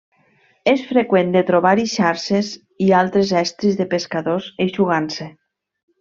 És freqüent de trobar-hi xarxes i altres estris de pescadors eixugant-se.